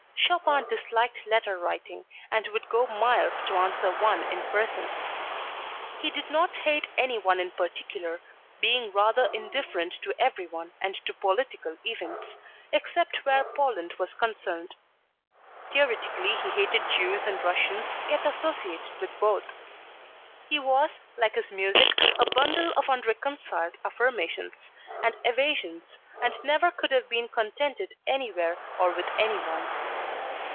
Chopin disliked letter writing and would go miles to answer one in person. He did not hate any one in particular, being rather indifferent to every one and to political events except where Poland was concerned. Theoretically he hated Jews and Russians, yet associated with both. He was, like his music, a bundle of unreconciled affirmations and evasions and never could have been contented anywhere or with any one.